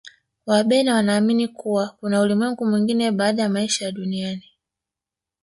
wabena wanaamini kuwa kuna ulimwengu mwingine baada ya maisha ya duniani